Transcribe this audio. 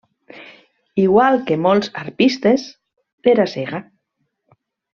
Igual que molts arpistes, era cega.